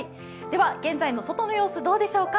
では、現在の外の様子どうでしょうか。